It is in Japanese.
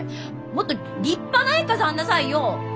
もっと立派な絵飾んなさいよ！